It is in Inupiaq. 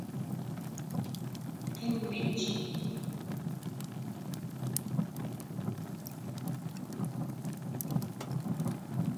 qimmich